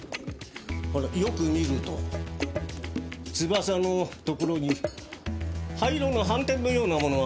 ほらよく見ると翼のところに灰色の斑点のようなものが混ざってるんですよ。